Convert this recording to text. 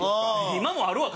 今もあるわ！